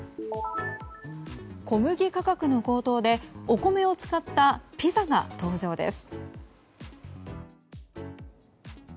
小麦価格の高騰でお米を使ったピザが登場です。